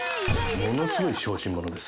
ものすごい小心者です